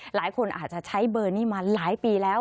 หลายคนอาจจะใช้เบอร์นี้มาหลายปีแล้ว